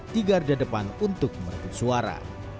ke depan untuk merebut suara